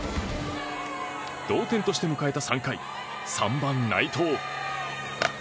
同点として迎えた、３回３番、内藤。